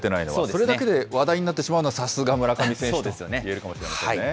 それだけで話題になってしまうのは、さすが村上選手ですねと言えるかもしれないですね。